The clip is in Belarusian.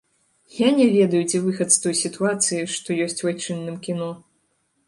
Я не ведаю, дзе выхад з той сітуацыі, што ёсць у айчынным кіно.